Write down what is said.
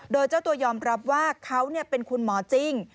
โดยเจ้าตัวยอมรับว่าเขาเป็นคุณหมอจริง